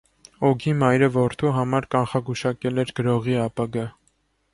Օգի մայրը որդու համար կանխագուշակել էր գրողի ապագա։